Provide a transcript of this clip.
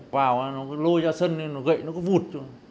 vào nó lôi ra sân gậy nó vụt